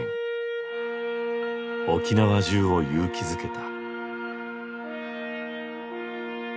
沖縄中を勇気づけた。